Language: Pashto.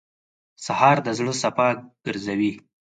سهار د زړه صفا ګرځوي.